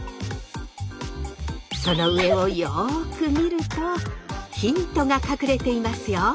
その上をよく見るとヒントが隠れていますよ。